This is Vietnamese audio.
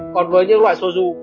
còn với những loại soju